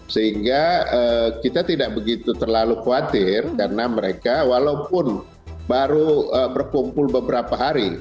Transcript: sehingga kita tidak begitu terlalu khawatir karena mereka walaupun baru berkumpul beberapa hari